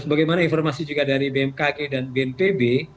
sebagaimana informasi juga dari bmkg dan bnpb